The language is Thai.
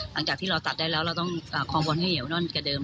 หลังจากที่เราตัดได้แล้วเราต้องคลองบอลให้เหนียวแน่นกว่าเดิม